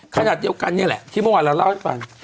ขนาดเดียวกันนี่แหละที่เมื่อวานเราเล่าให้ฟัง